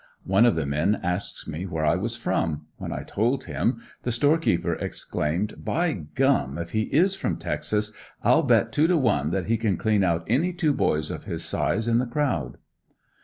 One of the men asked me where I was from; when I told him, the store keeper exclaimed, "by gum, if he is from Texas I'll bet two to one that he can clean out any two boys of his size in the crowd."